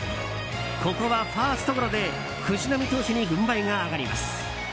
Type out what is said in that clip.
ここはファーストゴロで藤浪投手に軍配が上がります。